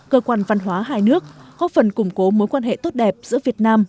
cơ quan văn hóa hai nước góp phần củng cố mối quan hệ tốt đẹp giữa việt nam